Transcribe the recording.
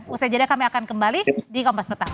usai jeda kami akan kembali di kompas metak